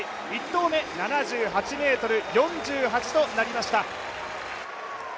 １投目７８ｍ４８となりました。